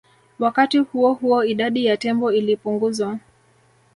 Wakati huo huo idadi ya tembo ilipunguzwa